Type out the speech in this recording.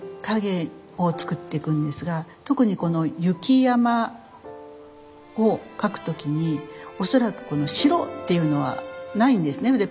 影を作っていくんですが特にこの雪山を描く時に恐らくこの白っていうのはないんですね